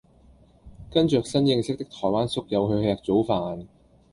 跟著新認識的台灣宿友去吃早飯